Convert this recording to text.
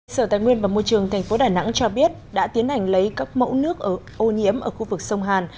sở tài nguyên và môi trường tp đà nẵng cho biết đã tiến hành lấy các mẫu nước ô nhiễm ở khu vực sông hàn